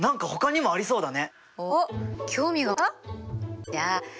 何かほかにもありそうだね？